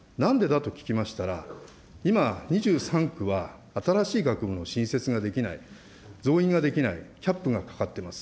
なんでだと聞きましたら、今、２３区は新しい学部の新設ができない、増員ができない、キャップがかかってます。